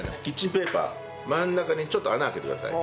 ペーパー真ん中にちょっと穴開けてください。